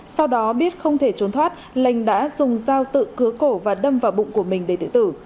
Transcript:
sau đó biết không thể trốn thoát lành đã dùng dao tự cứa cổ và đâm vào bụng của mình để tự tử